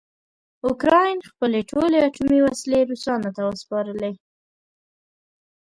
اوکراین خپلې ټولې اټومي وسلې روسانو ته وسپارلې.